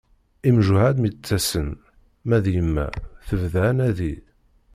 Imjuhad mi d-ttasen, ma d yemma tebda anadi.